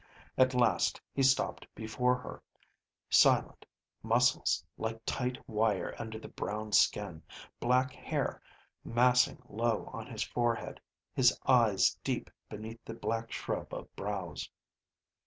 At last he stopped before her, silent, muscles like tight wire under the brown skin, black hair massing low on his forehead, his eyes deep beneath the black shrub of brows.